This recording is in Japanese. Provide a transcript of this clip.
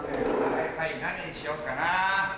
何にしよっかな。